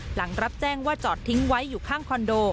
หลังรับแจ้งว่าจอดทิ้งไว้อยู่ข้างคอนโด